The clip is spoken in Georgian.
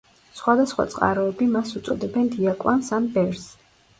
სხვადასხვა წყაროები მას უწოდებენ დიაკვანს ან ბერს.